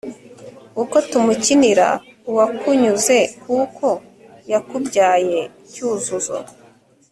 uko tumukinira uwakunyuze kuko yakubyaye cyuzuzo